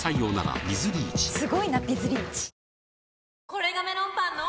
これがメロンパンの！